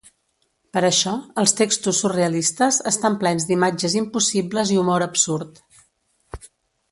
Per això els textos surrealistes estan plens d'imatges impossibles i humor absurd.